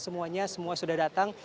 semuanya sudah datang